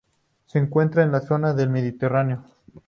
Se encuentran en la zona del Mediterráneo.